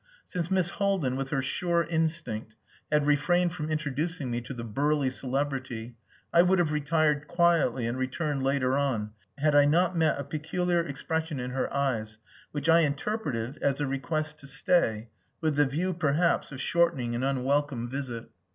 Since Miss Haldin with her sure instinct had refrained from introducing me to the burly celebrity, I would have retired quietly and returned later on, had I not met a peculiar expression in her eyes which I interpreted as a request to stay, with the view, perhaps, of shortening an unwelcome visit.